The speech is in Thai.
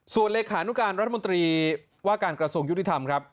ส่วนเลขานุการรัฐมนตรีว่าการกระทรวงยุติธรรมครับ